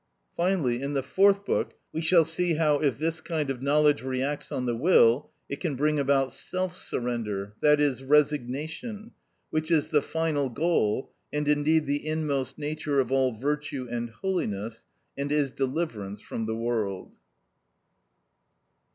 Finally, in the Fourth Book, we shall see how, if this kind of knowledge reacts on the will, it can bring about self surrender, i.e., resignation, which is the final goal, and indeed the inmost nature of all virtue and holiness, and is deliverance from the world.